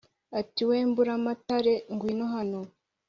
Ati :" We Mburamatare ngwino hano